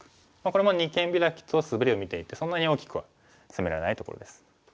これも二間ビラキとスベリを見ていてそんなに大きくは攻められないところです。